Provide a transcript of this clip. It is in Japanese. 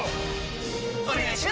お願いします！！！